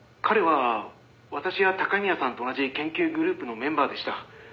「彼は私や高宮さんと同じ研究グループのメンバーでした」